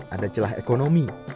ada celah ekonomi